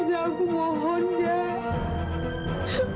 jah aku mohon jah